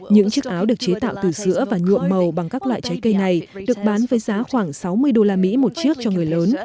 những chiếc áo được chế tạo từ sữa và nhuộm màu bằng các loại trái cây này được bán với giá khoảng sáu mươi usd một chiếc cho người lớn